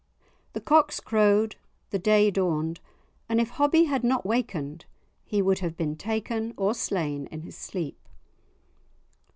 The cocks crowed, the day dawned, and if Hobbie had not wakened he would have been taken or slain in his sleep.